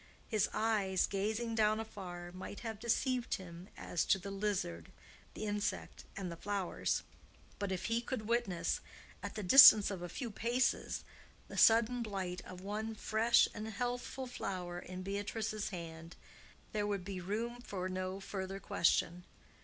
His eyes, gazing down afar, might have deceived him as to the lizard, the insect, and the flowers; but if he could witness, at the distance of a few paces, the sudden blight of one fresh and healthful flower in Beatrice's hand, there would be room for no further question.